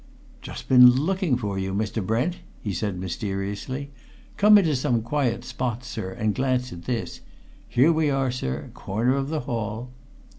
"Just been looking for you, Mr. Brent!" he said mysteriously. "Come into some quiet spot, sir, and glance at this. Here we are, sir, corner of the hall."